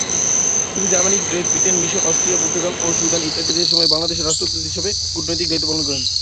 তিনি Germany, Great Britain, মিসর, Austria, Portugal ও সুদান ইত্যাদি দেশসমূহে বাংলাদেশের রাষ্ট্রদূত হিসাবে কূটনৈতিক দায়িত্ব পালন করেন।